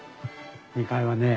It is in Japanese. ２階はね